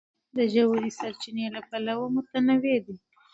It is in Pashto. افغانستان د ژورې سرچینې له پلوه متنوع دی.